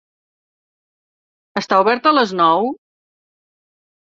Està obert a les nou?